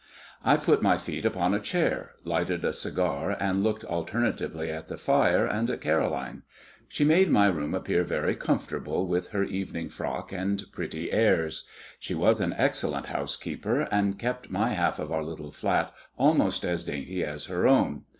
I put my feet upon a chair, lighted a cigar, and looked alternately at the fire and at Caroline. She made my room appear very comfortable, with her evening frock and pretty airs. She was an excellent housekeeper, and kept my half of our little flat almost as dainty as her own.